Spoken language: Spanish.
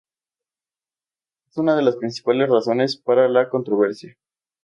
Esta es una de las principales razones para la controversia.